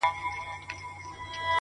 اوس په ځان پوهېږم چي مين يمه ـ